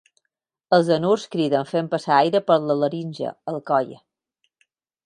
Els anurs criden fent passar aire per la laringe, al coll.